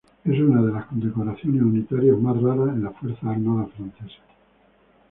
Es una de las condecoraciones unitarias más raras en las fuerzas armadas francesas.